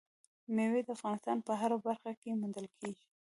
مېوې د افغانستان په هره برخه کې موندل کېږي.